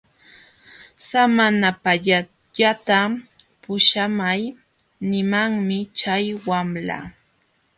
Samanapatallata puśhamay nimanmi chay wamla.